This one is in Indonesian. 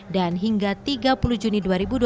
dan hingga tiga puluh juni dua ribu dua puluh tiga